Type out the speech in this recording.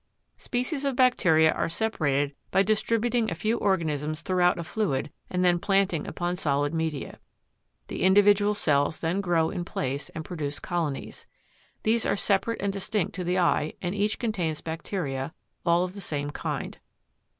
Species of bacteria are separated by distributing a few organisms throughout a fluid and then planting upon solid media. The individual cells then grow in place and produce colonies. These are separate and distinct to the eye and each contains bacteria, all of the same kind.